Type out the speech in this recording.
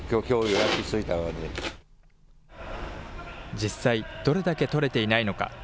実際、どれだけ取れていないのか。